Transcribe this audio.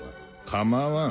構わん。